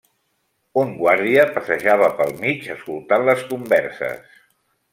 Un guàrdia passejava pel mig, escoltant les converses.